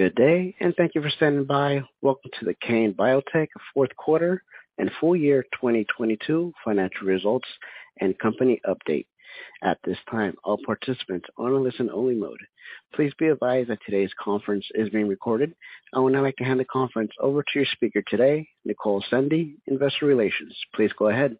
Good day. Thank you for standing by. Welcome to the Kane Biotech Fourth Quarter and Full Year 2022 Financial Results and Company Update. At this time, all participants are in a listen only mode. Please be advised that today's conference is being recorded. I would now like to hand the conference over to your speaker today, Nicole Sendey, Investor Relations. Please go ahead.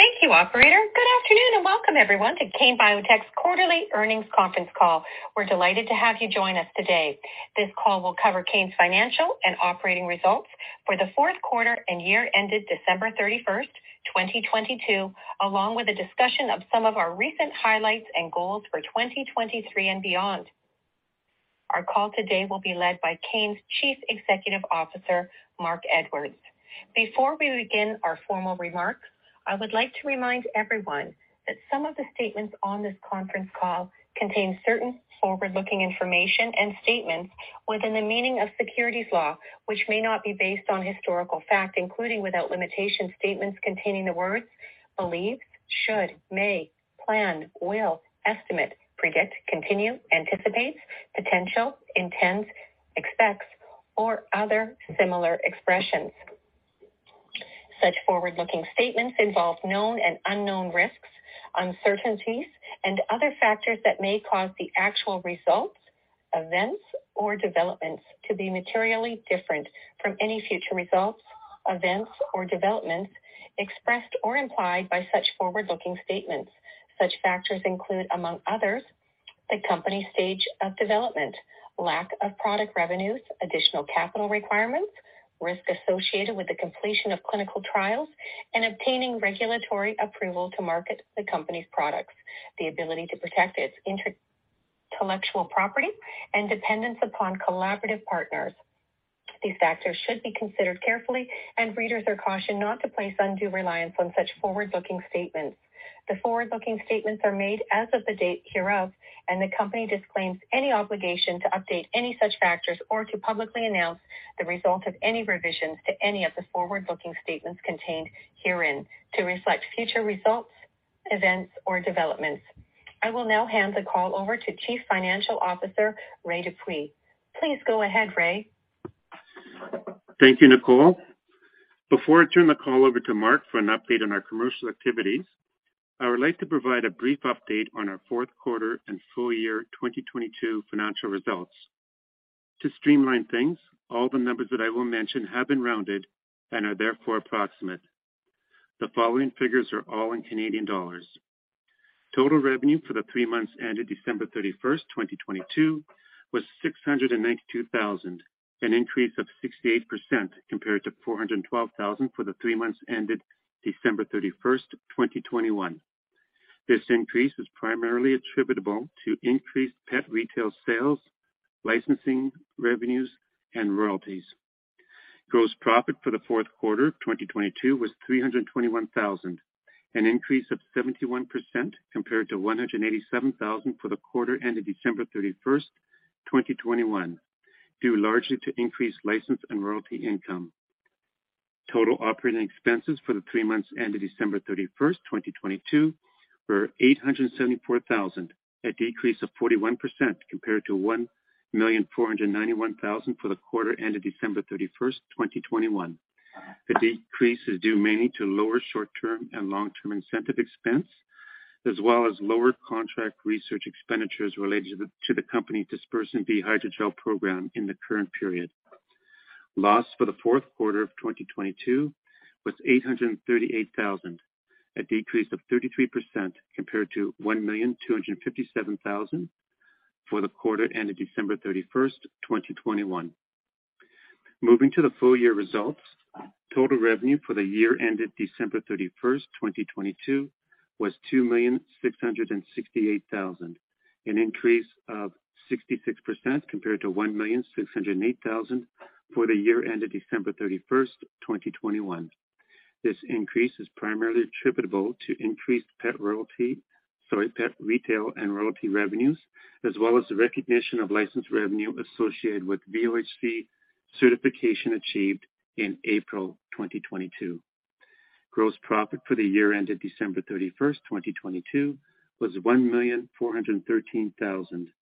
Thank you, operator. Good afternoon. Welcome everyone to Kane Biotech's quarterly earnings conference call. We're delighted to have you join us today. This call will cover Kane's financial and operating results for the fourth quarter and year ended December 31stst, 2022, along with a discussion of some of our recent highlights and goals for 2023 and beyond. Our call today will be led by Kane's Chief Executive Officer, Marc Edwards. Before we begin our formal remarks, I would like to remind everyone that some of the statements on this conference call contain certain forward-looking information and statements within the meaning of securities law, which may not be based on historical fact, including, without limitation, statements containing the words believe, should, may, plan, will, estimate, predict, continue, anticipate, potential, intends, expects, or other similar expressions. Such forward-looking statements involve known and unknown risks, uncertainties, and other factors that may cause the actual results, events, or developments to be materially different from any future results, events, or developments expressed or implied by such forward-looking statements. Such factors include, among others, the company's stage of development, lack of product revenues, additional capital requirements, risk associated with the completion of clinical trials, and obtaining regulatory approval to market the company's products, the ability to protect its intellectual property, and dependence upon collaborative partners. These factors should be considered carefully, and readers are cautioned not to place undue reliance on such forward-looking statements. The forward-looking statements are made as of the date hereof, and the company disclaims any obligation to update any such factors or to publicly announce the results of any revisions to any of the forward-looking statements contained herein to reflect future results, events, or developments. I will now hand the call over to Chief Financial Officer, Ray Dupuis. Please go ahead, Ray. Thank you, Nicole. Before I turn the call over to Mark for an update on our commercial activities, I would like to provide a brief update on our fourth quarter and full year 2022 financial results. To streamline things, all the numbers that I will mention have been rounded and are therefore approximate. The following figures are all in Canadian dollars. Total revenue for the three months ended December 31stst, 2022 was 692,000, an increase of 68% compared to 412,000 for the three months ended December 31stst, 2021. This increase is primarily attributable to increased pet retail sales, licensing revenues, and royalties. Gross profit for the fourth quarter, 2022 was 321,000, an increase of 71% compared to 187,000 for the quarter ended December 31stst, 2021, due largely to increased license and royalty income. Total operating expenses for the three months ended December 31stst, 2022 were 874,000, a decrease of 41% compared to 1,491,000 for the quarter ended December 31stst, 2021. The decrease is due mainly to lower short-term and long-term incentive expense, as well as lower contract research expenditures related to the company DispersinB Hydrogel program in the current period. Loss for the fourth quarter of 2022 was 838,000, a decrease of 33% compared to 1,257,000 for the quarter ended December 31stst, 2021. Moving to the full year results, total revenue for the year ended December 31stst, 2022 was 2,668,000, an increase of 66% compared to 1,608,000 for the year ended December 31stst, 2021. This increase is primarily attributable to increased pet retail and royalty revenues, as well as the recognition of license revenue associated with VOHC certification achieved in April 2022. Gross profit for the year ended December 31stst, 2022 was 1,413,000, an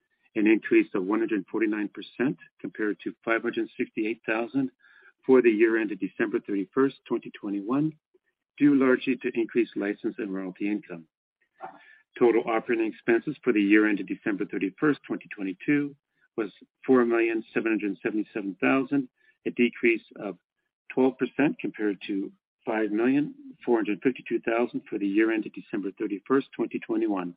increase of 149% compared to 568,000 for the year ended December 31stst, 2021, due largely to increased license and royalty income. Total operating expenses for the year ended December 31stst, 2022 was 4,777,000, a decrease of 12% compared to 5,452,000 for the year ended December 31st, 2021.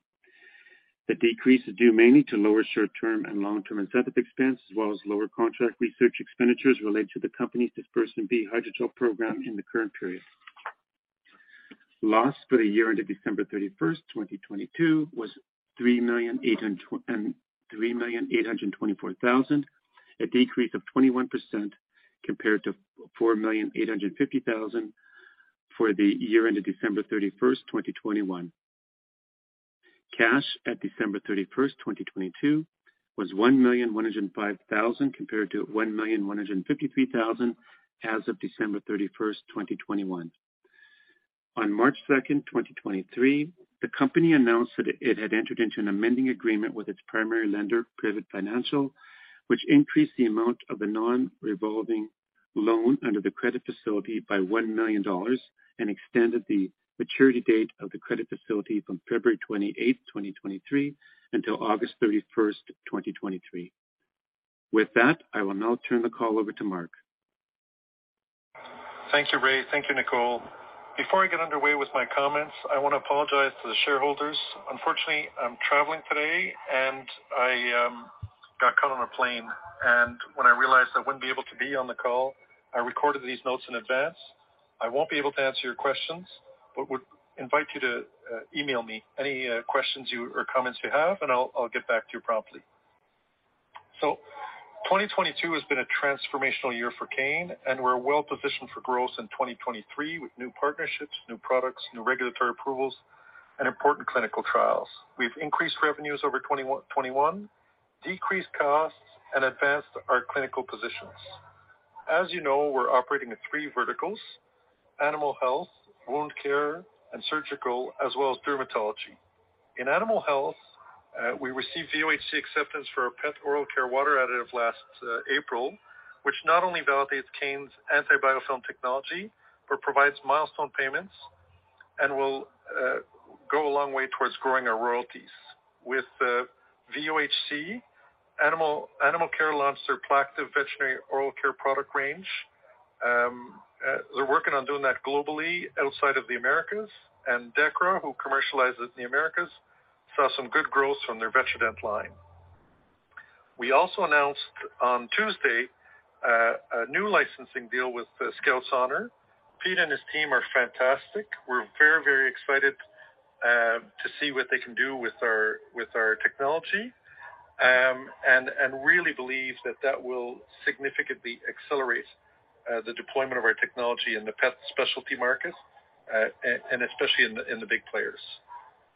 The decrease is due mainly to lower short-term and long-term incentive expense, as well as lower contract research expenditures related to the company's DispersinB Hydrogel program in the current period. Loss for the year ended December 31st, 2022 was 3,824,000, a decrease of 21% compared to 4,850,000 for the year ended December 31st, 2021. Cash at December 31st, 2022 was 1,105,000, compared to 1,153,000 as of December 31st, 2021. On March 2nd, 2023, the company announced that it had entered into an amending agreement with its primary lender, Pivot Financial, which increased the amount of the non-revolving loan under the credit facility by 1 million dollars and extended the maturity date of the credit facility from February 28th, 2023 until August 31st, 2023. With that, I will now turn the call over to Marc. Thank you, Ray. Thank you, Nicole. Before I get underway with my comments, I wanna apologize to the shareholders. Unfortunately, I'm traveling today, and I got caught on a plane. When I realized I wouldn't be able to be on the call, I recorded these notes in advance. I won't be able to answer your questions, but would invite you to email me any questions you or comments you have, and I'll get back to you promptly. 2022 has been a transformational year for Kane, and we're well-positioned for growth in 2023 with new partnerships, new products, new regulatory approvals, and important clinical trials. We've increased revenues over 2021, decreased costs, and advanced our clinical positions. As you know, we're operating in three verticals, animal health, wound care, and surgical, as well as dermatology. In animal health, we received VOHC acceptance for our pet oral care water additive last April, which not only validates Kane's anti-biofilm technology but provides milestone payments and will go a long way towards growing our royalties. With the VOHC, Animalcare launched their Plaqtiv+ veterinary oral care product range. They're working on doing that globally outside of the Americas. Dechra, who commercializes in the Americas, saw some good growth from their VETRADENT line. We also announced on Tuesday a new licensing deal with Skout's Honor. Pete and his team are fantastic. We're very excited to see what they can do with our technology, and really believe that that will significantly accelerate the deployment of our technology in the pet specialty market, and especially in the big players.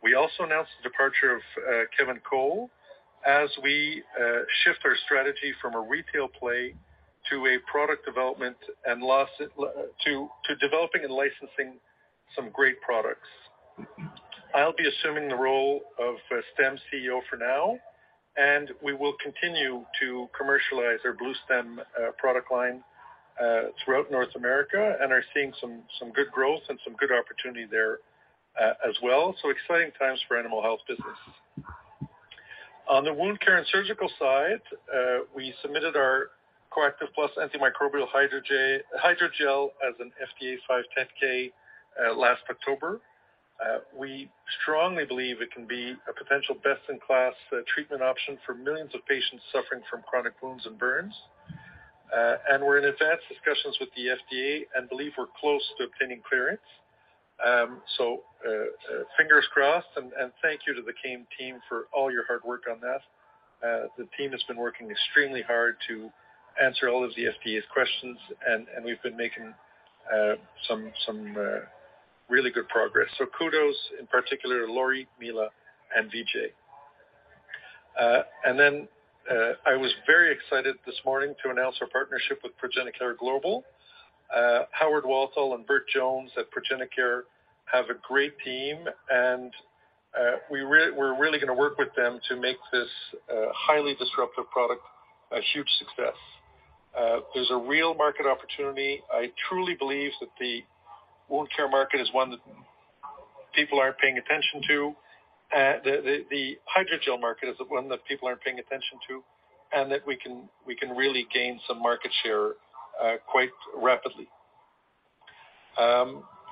We also announced the departure of Kevin Cole as we shift our strategy from a retail play to a product development and to developing and licensing some great products. I'll be assuming the role of STEM CEO for now, and we will continue to commercialize our bluestem product line throughout North America, and are seeing some good growth and some good opportunity there as well. Exciting times for animal health business. On the wound care and surgical side, we submitted our coactiv+ Antimicrobial Hydrogel as an FDA 510(k) last October. We strongly believe it can be a potential best-in-class treatment option for millions of patients suffering from chronic wounds and burns. We're in advanced discussions with the FDA and believe we're close to obtaining clearance. Fingers crossed, and thank you to the Kane team for all your hard work on that. The team has been working extremely hard to answer all of the FDA's questions, and we've been making some really good progress. Kudos in particular to Lori, Mila, and VJ. I was very excited this morning to announce our partnership with ProgenaCare Global. Howard Walthall and Bert Jones at ProgenaCare have a great team, we're really gonna work with them to make this highly disruptive product a huge success. There's a real market opportunity. I truly believe that the wound care market is one that people aren't paying attention to. The hydrogel market is one that people aren't paying attention to, and that we can really gain some market share, quite rapidly.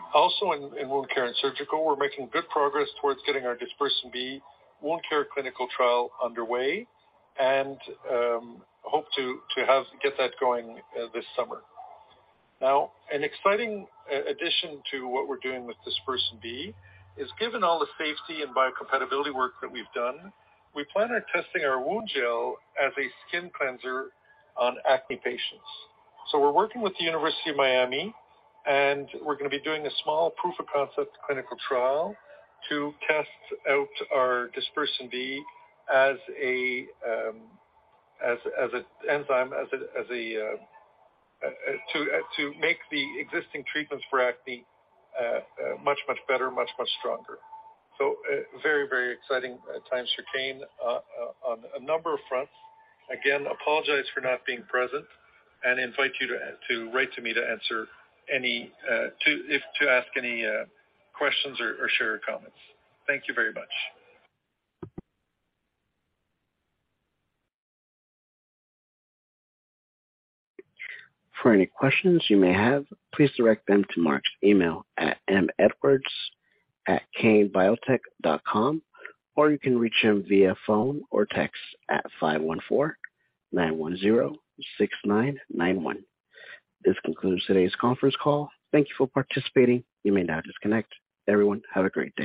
Also in wound care and surgical, we're making good progress towards getting our DispersinB wound care clinical trial underway and hope to get that going this summer. An exciting addition to what we're doing with DispersinB is given all the safety and biocompatibility work that we've done, we plan on testing our wound gel as a skin cleanser on acne patients. We're working with the University of Miami, and we're gonna be doing a small proof of concept clinical trial to test out our DispersinB as a enzyme, as a to make the existing treatments for acne much, much better, much, much stronger. Very, very exciting times for Kane on a number of fronts. Again, apologize for not being present and invite you to write to me to answer any to ask any questions or share your comments. Thank you very much. For any questions you may have, please direct them to Marc's email at medwards@kanebiotech.com, or you can reach him via phone or text at 514-910-6991. This concludes today's conference call. Thank you for participating. You may now disconnect. Everyone, have a great day.